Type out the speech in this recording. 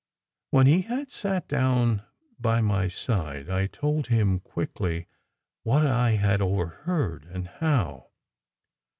When he had sat down by my side, I told him quickly what I had overheard, and how.